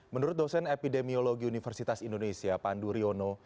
menurut dosen epidemiologi universitas indonesia pandu riono